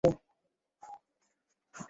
এক ব্লক দূরেই আছি।